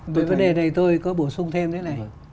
về vấn đề này tôi có bổ sung thêm thế này